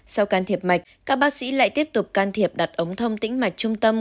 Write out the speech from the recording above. sau can thiệp mạch các bác sĩ lại tiếp tục can thiệp đặt ống thông tĩnh mạch trung tâm